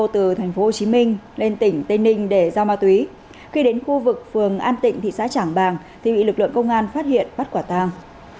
từ tp hcm lên tỉnh tây ninh để giao ma túy khi đến khu vực phường an tịnh thị xã trảng bàng thì bị lực lượng công an phát hiện bắt quả tàng